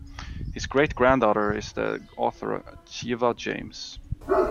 His great-granddaughter is the author Cheewa James.